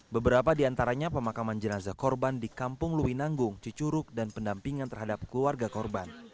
beberapa diantaranya pemakaman jenazah korban di kampung lui nanggung cicuruk dan pendampingan terhadap keluarga korban